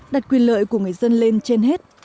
đặt quyền lợi của người dân lên trên hết